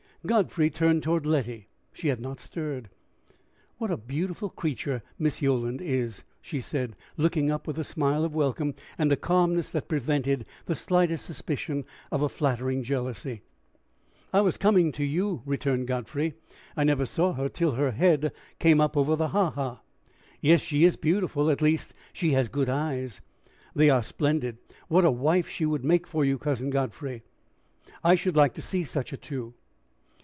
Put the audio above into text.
Godfrey turned toward Letty. She had not stirred. "What a beautiful creature Miss Yolland is!" she said, looking up with a smile of welcome, and a calmness that prevented the slightest suspicion of a flattering jealousy. "I was coming to you," returned Godfrey. "I never saw her till her head came up over the ha ha. Yes, she is beautiful at least, she has good eyes." "They are splendid! What a wife she would make for you, Cousin Godfrey! I should like to see such a two."